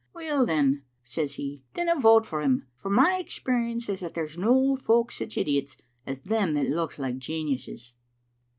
*Weel, then,' says he, *dinna vote for him, for my experience is that there's no folk sic idiots as them that looks like geniuses.'"